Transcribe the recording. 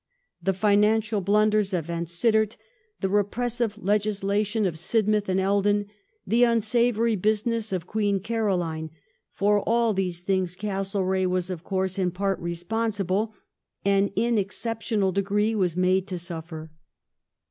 The financial blunders of Vansittart ; the repressive legislation of Sidmouth and Eldon ; the unsavoury business of Queen Caroline — for all these things Castlereagh was of course in part responsible, and in exceptional degree was made to suffer.